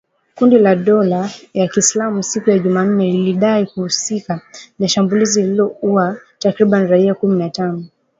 Kundi la dola ya kiisilamu siku ya Jumanne lilidai kuhusika na shambulizi lililoua takribani raia kumi na tano